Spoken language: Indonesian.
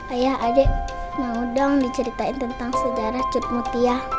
ayah adik mau dong diceritain tentang sejarah kip mutia